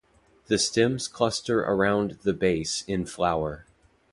The stems cluster around the base in flower.